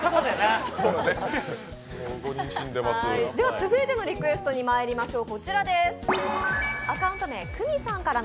続いてのリクエストにまいりましょう。